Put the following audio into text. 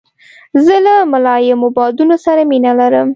زه له ملایمو بادونو سره مینه لرم.